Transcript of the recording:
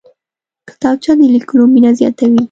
کتابچه د لیکلو مینه زیاتوي